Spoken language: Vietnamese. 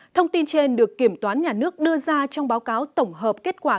thông tin trên được kiểm toán nhà nước đưa ra trong báo cáo tổng hợp kết quả